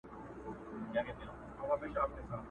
د قصاب څنګ ته موچي په کار لګیا وو٫